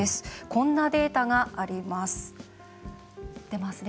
こんなデータがあります。